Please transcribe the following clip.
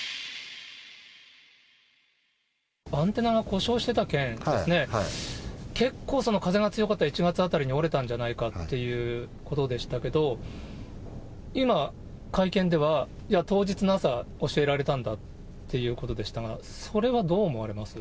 アンテナが故障してた件ですね、欠航風が強かった１月あたりに折れたんじゃないかということでしたけれど、今、会見では、いや、当日の朝、教えられたんだということでしたが、それはどう思われます？